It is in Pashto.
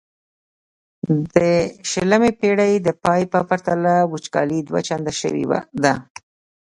د شلمې پیړۍ د پای په پرتله وچکالي دوه چنده شوې ده.